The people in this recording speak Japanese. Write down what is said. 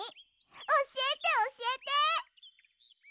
おしえておしえて！